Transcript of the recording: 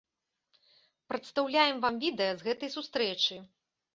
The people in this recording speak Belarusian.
Прадстаўляем вам відэа з гэтай сустрэчы.